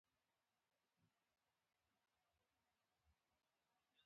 خپلواکي ملتونه قوي، متحد او باثباته ساتي.